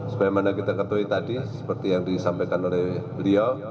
sebagaimana kita ketahui tadi seperti yang disampaikan oleh beliau